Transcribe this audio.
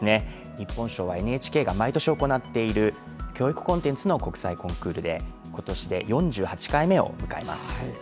日本賞はＮＨＫが毎年行っている教育コンテンツの国際コンクールで今年で４８回目を迎えます。